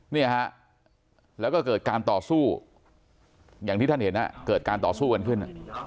เนี่ยฮะแล้วก็เกิดการต่อสู้อย่างที่ท่านเห็นเกิดการต่อสู้กันขึ้น